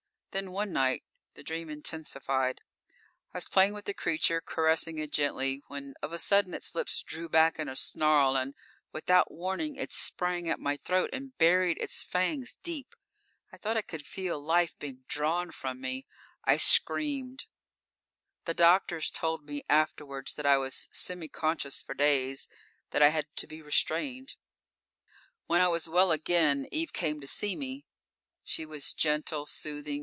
Then, one night the dream intensified: I was playing with the creature, caressing it gently, when of a sudden its lips drew back in a snarl, and without warning it sprang at my throat and buried its fangs deep! I thought I could feel life being drawn from me; I screamed._ The doctors told me afterwards that I was semi conscious for days; that I had to be restrained. _When I was well again, Eve came to see me. She was gentle soothing.